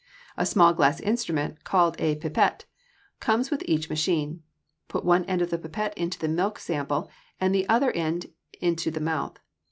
A small glass instrument, called a pipette, comes with each machine. Put one end of the pipette into the milk sample and the other end into the mouth.